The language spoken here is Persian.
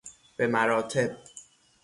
به مراتب